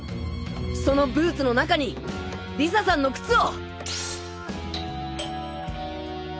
そのブーツの中に理沙さんのクツを！